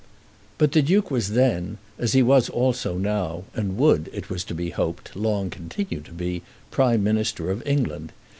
But the Duke was then, as he was also now, and would, it was to be hoped, long continue to be, Prime Minister of England.